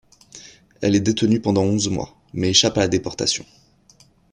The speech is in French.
Elle est détenue pendant onze mois, mais échappe à la déportation.